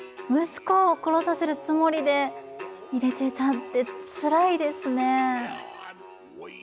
息子を殺させるつもりで入れていたってつらいですね。